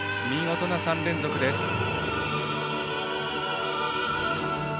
見事な３連続です。